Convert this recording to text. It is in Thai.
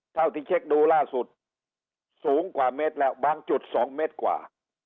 เท่าที่เช็คดูล่าสุดสูงกว่าเมตรแล้วบางจุด๒เมตรกว่า